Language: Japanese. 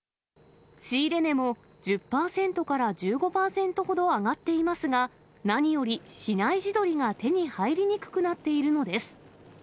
仕入れ値も１０％から１５％ほど上がっていますが、何より比内地鶏が手に入りにくくなっているのです。